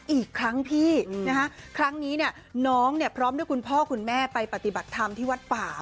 อีกครั้งพี่นะคะครั้งนี้เนี่ยน้องเนี่ยพร้อมด้วยคุณพ่อคุณแม่ไปปฏิบัติธรรมที่วัดป่า